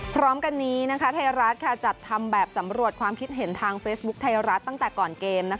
พร้อมกันนี้ไทยรัฐจัดทำแบบสำรวจความคิดเห็นทางเฟซบุ๊คไทยรัฐตั้งแต่ก่อนเกม